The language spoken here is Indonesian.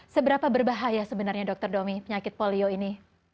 seberapa berbahaya sebenarnya dokter domi penyakit polio ini